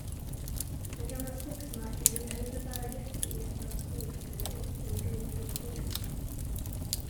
Den gamla skogsmarken ville hellre bära jätteekar och storfuror än rovor och korn.